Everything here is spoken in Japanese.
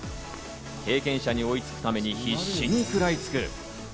経験者に追いつくために必死に食らいつく。